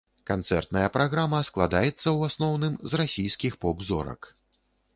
Канцэртная праграма складаецца, у асноўным, з расійскіх поп-зорак.